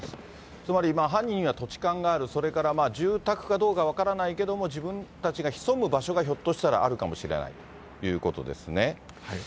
つまり犯人は土地勘がある、それから住宅かどうか分からないけども、自分たちが潜む場所が、ひょっとしたらあるかもしれないということですね。